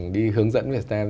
đi hướng dẫn về stem